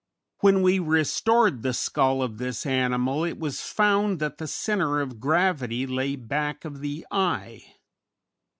When we restored the skull of this animal it was found that the centre of gravity lay back of the eye.